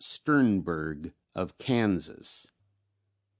Sternberg of Kansas.